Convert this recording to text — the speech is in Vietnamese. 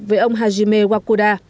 với ông hajime wakuda